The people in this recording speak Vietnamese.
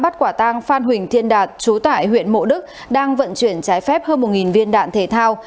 trang phan huỳnh thiên đạt chú tải huyện mộ đức đang vận chuyển trái phép hơn một viên đạn thể thao